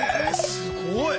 すごい！